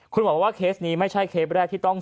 คุณหมอบอกว่าเคสนี้ไม่ใช่เคสแรกที่ต้อง